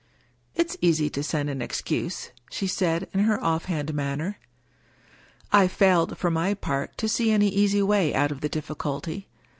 " It's easy to send an excuse," she said, in her off hand manner. I failed, for my part, to see any easy way out of the dif ficulty.